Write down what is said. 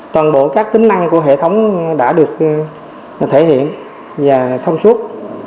toàn bộ các tính năng của hệ thống đã được thể hiện và thông suốt